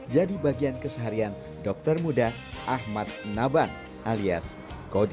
jadi bagian keseharian dokter muda ahmad nabat alias kodi